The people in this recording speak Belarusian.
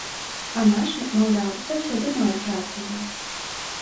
А нашы, маўляў, заўсёды маюць рацыю.